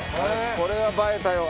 これは映えたよ。